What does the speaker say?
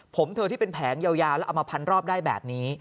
ผมเธอที่เป็นแผงยาวแล้วเอามาพันรอบได้แบบนี้